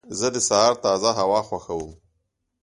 زه د سهار تازه هوا خوښوم.